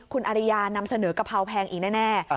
คุณอริยานำเสนอกะเพราแพงอีกแน่